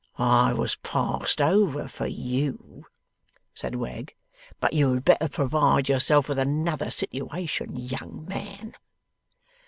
'I was passed over for you,' said Wegg. 'But you had better provide yourself with another situation, young man.